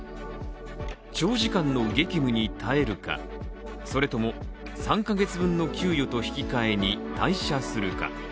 長時間の激務に耐えるか、それとも３か月分の給与と引き換えに退社するか。